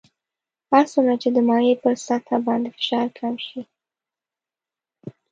هر څومره چې د مایع پر سطح باندې فشار کم شي.